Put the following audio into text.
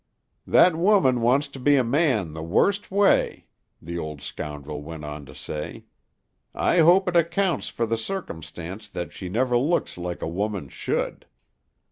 "That woman wants to be a man the worst way," the old scoundrel went on to say. "I hope it accounts for the circumstance that she never looks like a woman should.